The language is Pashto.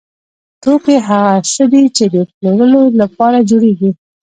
توکي هغه څه دي چې د پلورلو لپاره جوړیږي.